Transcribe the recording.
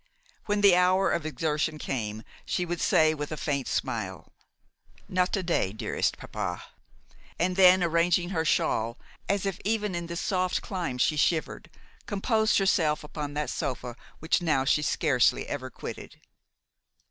When the hour of exertion came, she would say, with a faint smile, 'Not to day, dearest papa;' and then, arranging her shawl, as if even in this soft clime she shivered, composed herself upon that sofa which now she scarcely ever quitted.